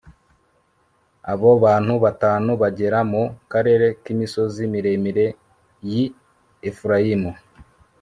abo bantu batanu bagera mu karere k'imisozi miremire y'i efurayimu